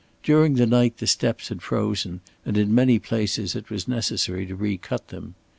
During the night the steps had frozen and in many places it was necessary to recut them.